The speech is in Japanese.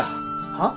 はっ？